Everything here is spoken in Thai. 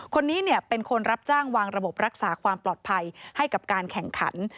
คนนี้เป็นคนรับจ้างวางระบบรักษาความปลอดภัยให้กับการแข่งขัน